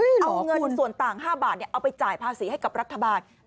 เอาเงินส่วนต่าง๕บาทเอาไปจ่ายภาษีให้กับรัฐบาล